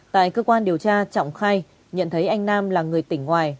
tại cơ quan điều tra trọng khai nhận thấy anh nam là người tỉnh ngoài